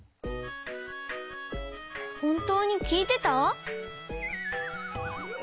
ほんとうにきいてた？